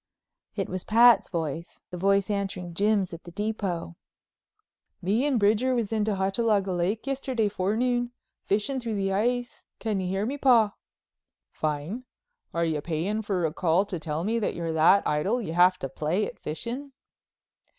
It was Pat's voice, the voice answering Jim's at the Depot: "Me and Bridger was in to Hochalaga Lake yesterday forenoon, fishin' through the ice. Can you hear me, Paw?" "Fine. Are you payin' for a call to tell me you're that idle you have to play at fishin'?"